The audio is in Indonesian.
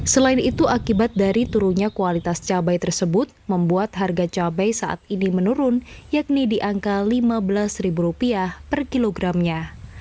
selain itu akibat dari turunnya kualitas cabai tersebut membuat harga cabai saat ini menurun yakni di angka lima belas per kilogramnya